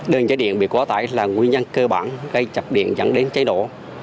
đơn cháy điện bị quá tải là nguyên nhân cơ bản gây chập điện dẫn đến cháy nổ